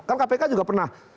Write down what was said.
kan kpk juga pernah